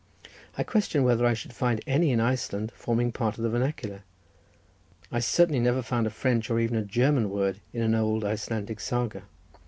I question whether I should find any in Iceland forming part of the vernacular. I certainly never found a French or even a German word in an old Icelandic saga.